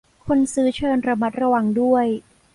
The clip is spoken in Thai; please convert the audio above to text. คนซื้อเชิญระมัดระวังด้วย